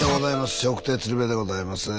笑福亭鶴瓶でございます。